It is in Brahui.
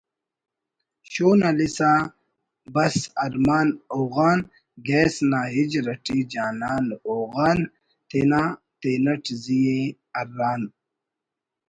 شولان بس ارمان ہوغان گہس نا ہجر اٹی جانان ہوغان تینا تینٹ زی ءِ ارّان